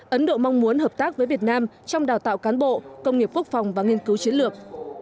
ấn độ mong muốn hợp tác với việt nam trong đào tạo cán bộ công nghiệp quốc phòng và nghiên cứu chiến lược